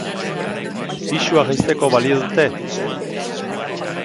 Pisua jaisteko balio dute?